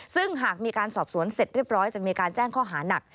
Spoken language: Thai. ซึ่งหากมีการสอบสวนเสร็จเรียบร้อยจะมีการแจ้งข้อหานัก